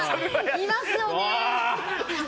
いますよね。